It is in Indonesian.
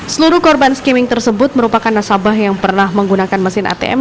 seluruh korban skimming tersebut merupakan nasabah yang pernah menggunakan mesin atm